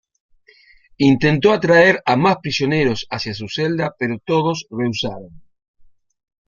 Intentó atraer a más prisioneros hacia su celda, pero todos rehusaron.